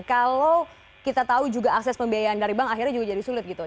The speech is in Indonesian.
kalau kita tahu juga akses pembiayaan dari bank akhirnya juga jadi sulit gitu